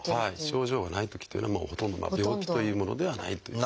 症状がないときというのはほとんど病気というものではないという。